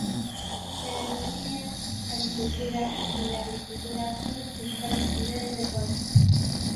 La ganadería, avicultura y la agricultura son las principales actividades del pueblo.